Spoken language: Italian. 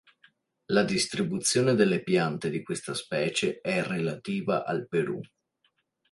La distribuzione delle piante di questa specie è relativa al Perù.